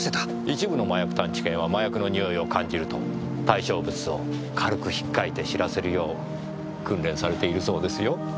一部の麻薬探知犬は麻薬の匂いを感じると対象物を軽く引っかいて知らせるよう訓練されているそうですよ。